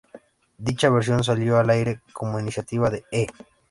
Dicha versión salió al aire como iniciativa de E!